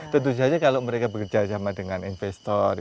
tentu saja kalau mereka bekerja sama dengan investor